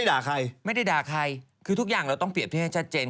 แต่ไม่ได้ด่าใคร